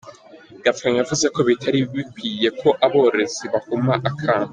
Gatlin yavuze ko bitari bikweiye ko abarorererzi bahuma akamo.